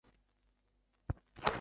他是德国社会民主党的党员。